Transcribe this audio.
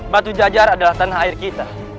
batu jajar adalah tanah air kita